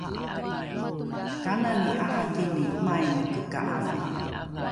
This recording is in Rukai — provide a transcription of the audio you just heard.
kanani ’arakini maineke ka’ange?